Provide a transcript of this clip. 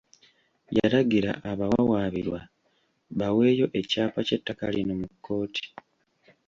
Yalagira abawawaabirwa baweeyo ekyapa ky'ettaka lino mu kkooti.